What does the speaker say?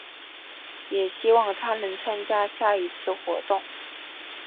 也希望她能参加下一次的活动。